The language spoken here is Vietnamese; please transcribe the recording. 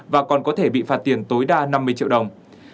và còn có thể bị phạt tiền tối đa năm mươi triệu đồng